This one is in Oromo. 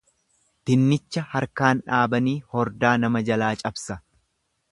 Dinnicha harkaan dhaabanii hordaa nama jalaa cabsa.